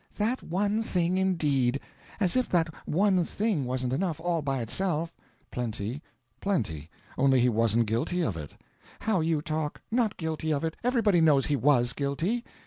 "That 'one thing,' indeed! As if that 'one thing' wasn't enough, all by itself." "Plenty. Plenty. Only he wasn't guilty of it." "How you talk! Not guilty of it! Everybody knows he WAS guilty."